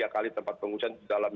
dua tiga kali tempat pengusian dalam